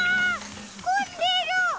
こんでる！